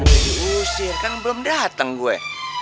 diusir kan belum datang gue